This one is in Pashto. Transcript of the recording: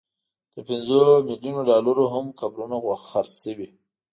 تر پنځو ملیونو ډالرو هم قبرونه خرڅ شوي.